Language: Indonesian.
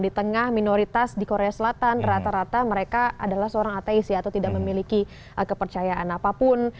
di tengah minoritas di korea selatan rata rata mereka adalah seorang ateisi atau tidak memiliki kepercayaan apapun